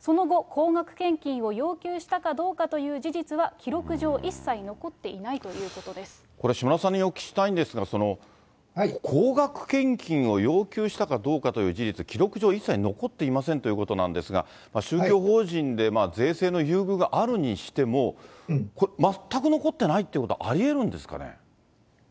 その後、高額献金を要求したかどうかという事実は記録上、これ、島田さんにお聞きしたいんですが、高額献金を要求したかどうかという事実、記録上、一切残っていませんということなんですが、宗教法人で税制の優遇があるにしても、これ、全く残ってないっていうことはありえるんですかね。